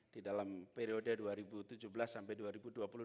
di dalam periode dua ribu tujuh belas sampai dua ribu dua puluh dua